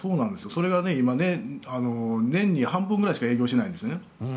それが今、年に半分ぐらいしか営業してないんですね。